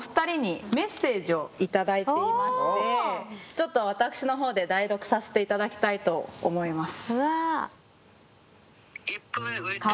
ちょっと私のほうで代読させて頂きたいと思います。